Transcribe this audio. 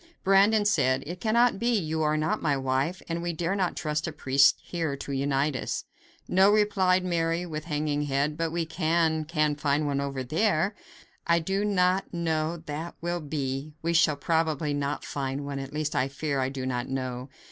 Brandon said: "It cannot be; you are not my wife, and we dare not trust a priest here to unite us." "No," replied Mary, with hanging head, "but we can can find one over there." "I do not know how that will be; we shall probably not find one; at least, I fear; I do not know."